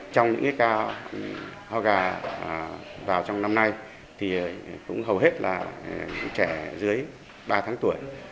trong những ca ho gà vào trong năm nay thì cũng hầu hết là trẻ dưới ba tháng tuổi